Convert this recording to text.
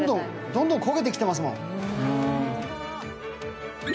どんどん焦げてきてますもん。